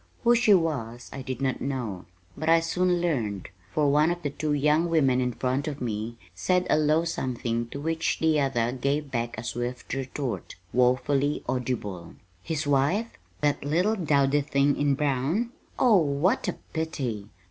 Who she was I did not know; but I soon learned, for one of the two young women in front of me said a low something to which the other gave back a swift retort, woefully audible: "His wife? That little dowdy thing in brown? Oh, what a pity!